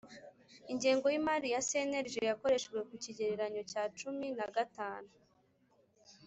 Ingengo y imari ya cnlg yakoreshejwe ku kigereranyo cya cumin a gatanu